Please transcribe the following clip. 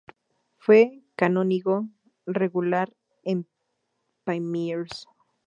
Fue canónigo regular en Pamiers.